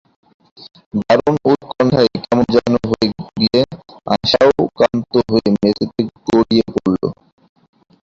দারুণ উৎকণ্ঠায় কেমন যেন হয়ে গিয়ে আশারও কান্ত হয়ে মেঝেতে গড়িয়ে পড়ল।